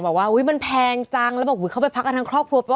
บอกว่าอุ๊ยมันแพงจังแล้วบอกเขาไปพักกันทั้งครอบครัวป่